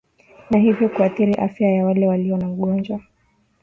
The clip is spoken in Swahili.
na hivyo kuathiri afya ya wale walio na ugonjwa